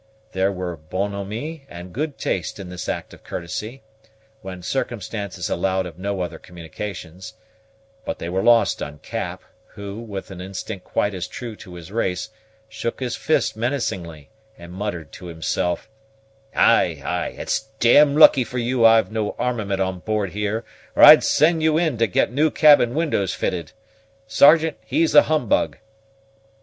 There were bonhomie and good taste in this act of courtesy, when circumstances allowed of no other communications; but they were lost on Cap, who, with an instinct quite as true to his race, shook his fist menacingly, and muttered to himself, "Ay, ay, it's d d lucky for you I've no armament on board here, or I'd send you in to get new cabin windows fitted. Sergeant, he's a humbug."